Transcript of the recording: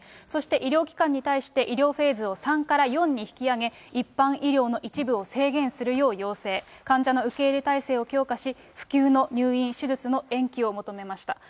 そして医療機関に対して、医療フェーズを３から４に引き上げ、一般医療の一部を制限するよう要請、患者の受け入れ態勢を強化し、不急の入院・手術の延期を求めました。